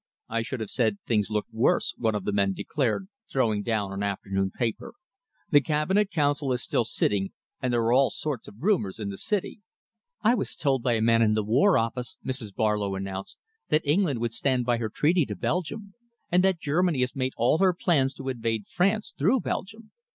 "I should have said things looked worse," one of the men declared, throwing down an afternoon paper. "The Cabinet Council is still sitting, and there are all sorts of rumours in the city." "I was told by a man in the War Office," Mrs. Barlow announced, "that England would stand by her treaty to Belgium, and that Germany has made all her plans to invade France through Belgium."